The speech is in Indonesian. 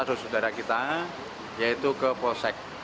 saudara saudara kita yaitu ke polsek